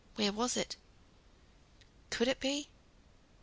Where was it? Could it be